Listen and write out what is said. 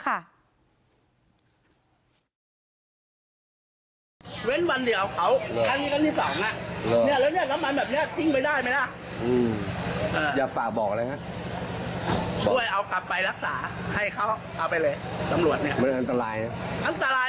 ครับผมก็ไม่ต้องนอนเลยตรงนี้เป็นโรงพยาบาลที่อยู่ในบ้านหลังเนี้ย